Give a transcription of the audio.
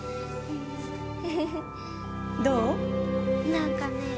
何かね